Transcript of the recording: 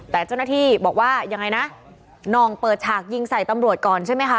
แต่เจ้าหน้าที่บอกว่ายังไงนะน่องเปิดฉากยิงใส่ตำรวจก่อนใช่ไหมคะ